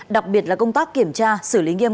đặc biệt là công tác kiểm tra xử lý nghiêm